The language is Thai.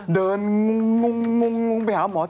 เดินมุ่งไปหาหมอเช็ค